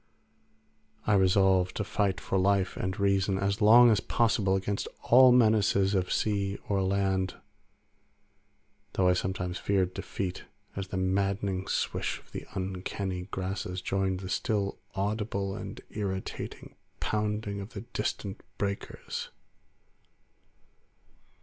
I resolved to fight for life and reason as long as possible against all menaces of sea or land, though I sometimes feared defeat as the maddening swish of the uncanny grasses joined the still audible and irritating pounding of the distant breakers.